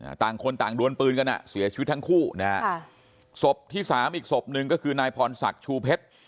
ต่างคนต่างดวนปืนกันอ่ะเสียชีวิตทั้งคู่นะฮะค่ะศพที่สามอีกศพหนึ่งก็คือนายพรศักดิ์ชูเพชร